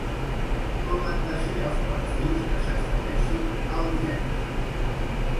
Com han de ser els perfils que s'afegeixin al directe?